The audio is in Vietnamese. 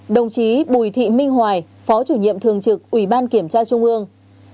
đồng chí bùi thị minh hoài phó chủ nhiệm thường trực ủy ban kiểm tra trung ương